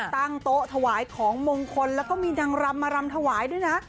ตั้งโต๊ะถวายของมงคลแล้วก็มีนางรำมารำถวายด้วยนะ